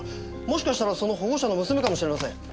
もしかしたらその保護者の娘かもしれません。